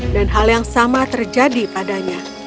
dan hal yang sama terjadi padanya